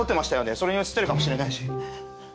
それに写ってるかもしれないし。